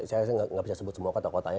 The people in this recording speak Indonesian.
saya tidak bisa sebut semua kata kotanya